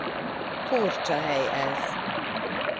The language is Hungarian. Furcsa hely ez.